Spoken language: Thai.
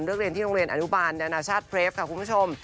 เรือกเรียนที่โรงเรียนอนุบาลธนาชาติพรนาชาติเพรวควุคคุณผู้ชม